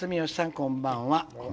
こんばんは。